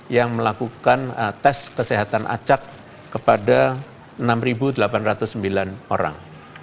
yang melakukan tes kesehatan acak kepada enam delapan ratus sembilan orang